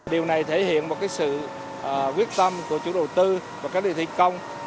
điều này thể hiện một sự quyết tâm của chủ đầu tư và các địa thi công